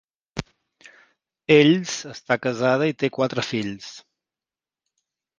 Ells està casada i té quatre fills.